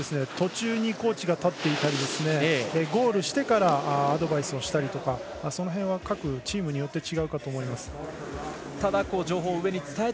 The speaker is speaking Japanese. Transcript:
各チームそれぞれ途中にコーチが立っていたりゴールしてからアドバイスをしたりとかその辺は各チームによって違うかと思います。